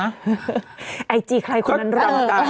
ไอจีใครคนละ